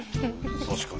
確かに。